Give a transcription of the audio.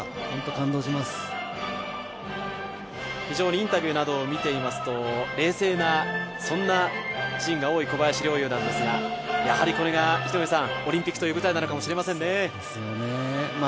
非常にインタビューなどを見ていますと冷静なシーンが多い小林陵侑ですが、やはりこれがオリンピックという舞台なのかもしれませんね。